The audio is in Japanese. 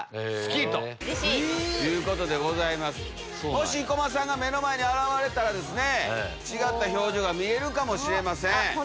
もし生駒さんが目の前に現れたら違った表情が見れるかもしれません。